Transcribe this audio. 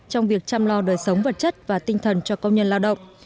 trong việc chăm lo đời sống vật chất và tinh thần cho công nhân lao động